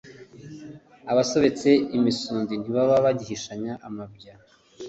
abasobetse imisundi ntibaba bagihishanye amabya